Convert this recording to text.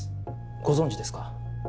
ご存じですか？